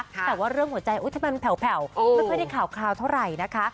แต่ว่าเรื่องหัวใจทำไมมันแผ่วไม่ค่อยได้ข่าวเท่าไหร่นะคะ